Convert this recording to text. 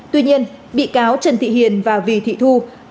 tuy nhiên bị cáo trần thị hiền và vì thị thu tù trung thân